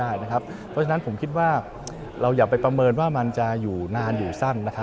สิบเก้าครับหรือว่าเป็นภาคโมงศาบาลหรือภาคที่ว่าเป็นภายในประยุทธ์จริงจริง